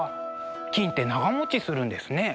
金って長もちするんですね。